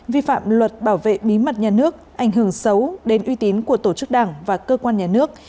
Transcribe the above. vi phạm luật bảo vệ bí mật nhà nước ảnh hưởng xấu đến uy tín của tổ chức đảng và cơ quan nhà nước